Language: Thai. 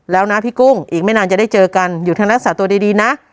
แล้วนะพี่กุ้งอีกไม่นานจะได้เจอกันอยู่ทางรักษาตัวดีนะ